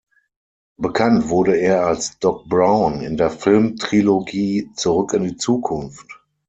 Bekannt wurde er als "Doc Brown" in der Film-Trilogie "Zurück in die Zukunft".